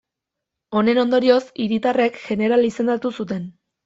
Honen ondorioz, hiritarrek jeneral izendatu zuten.